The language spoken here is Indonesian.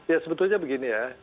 ya sebetulnya begini ya